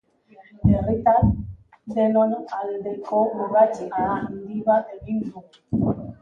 Herritar denon aldeko urrats handi bat egin dugu.